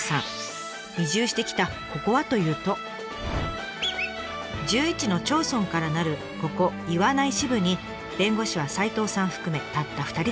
移住してきたここはというと１１の町村からなるここ岩内支部に弁護士は齋藤さん含めたった２人だけ。